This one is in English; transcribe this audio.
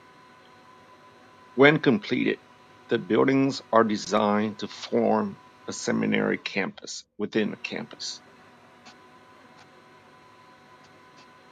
When completed, the buildings are designed to form a seminary campus within a campus.